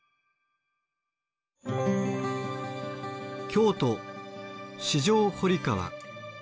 京都四条堀川。